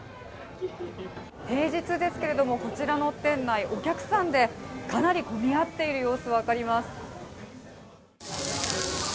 平日ですけれどもこちらの店内お客さんでかなり混み合っている様子わかります。